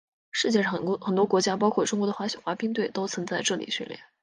世界上很多国家包括中国的滑冰队都曾在这里训练。